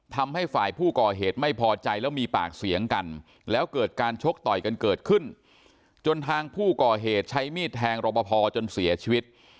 นับมีดแทงรอประพอจนเสียชีวิต